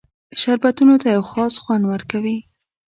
شربتونو ته یو خاص خوند ورکوي.